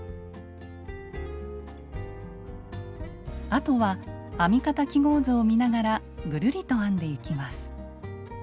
あとは編み方記号図を見ながらぐるりと編んでいきます。